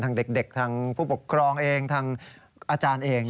ทางเด็กทางผู้ปกครองเองทางอาจารย์เอง